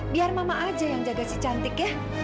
biar mama aja yang jaga si cantik ya